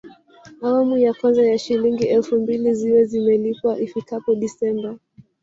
Awamu ya kwanza ya Shilingi elfu mbili ziwe zimelipwa ifikapo Disemba